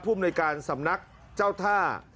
ภูมิในการสำนักเจ้าท่า